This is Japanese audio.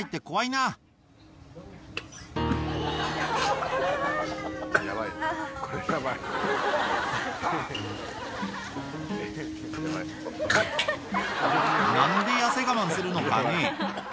なんで痩せ我慢するのかね。